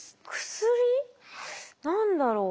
薬？何だろう？